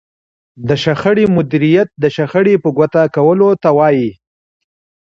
د شخړې مديريت د شخړې په ګوته کولو ته وايي.